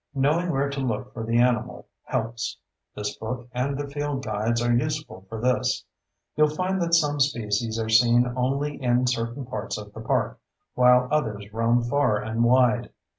Knowing where to look for the animals helps; this book and the field guides are useful for this. You'll find that some species are seen only in certain parts of the park, while others roam far and wide.